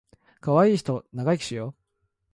かわいいひと長生きしよ